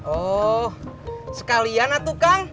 oh sekalian lah tuh kang